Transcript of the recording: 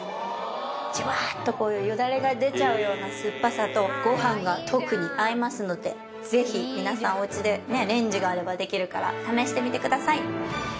ジュワーッとよだれが出ちゃうような酸っぱさとご飯が特に合いますのでぜひ皆さんおうちでねレンジがあればできるから試してみてください。